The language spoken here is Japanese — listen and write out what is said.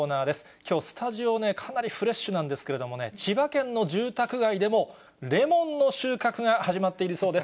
きょう、スタジオね、かなりフレッシュなんですけどもね、千葉県の住宅街でも、レモンの収穫が始まっているそうです。